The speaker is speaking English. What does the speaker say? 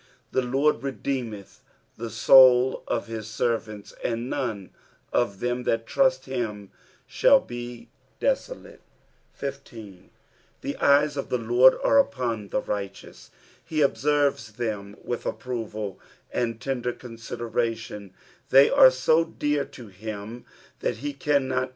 22 The Lord redeemeth the soul of his servants : and none of them that trust in him shall be desolate. 15. " The eyu of iKe Lord are upon tht rigkUoae." He observes them with approval and tender consideration ; they are so dear to him that he cannot N.